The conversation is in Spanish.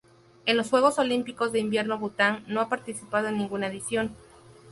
En los Juegos Olímpicos de Invierno Bután no ha participado en ninguna edición.